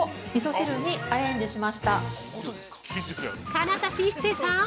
◆金指一世さん！